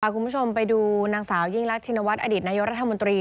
คุณผู้ชมไปดูนางสาวยิ่งรักชินวัฒนอดีตนายกรัฐมนตรี